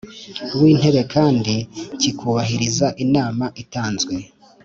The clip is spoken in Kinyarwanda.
W intebe kandi kikubahiriza inama itanzwe